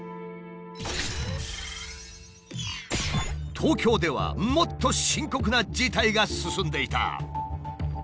東京ではもっと深刻な事態が進んでいた。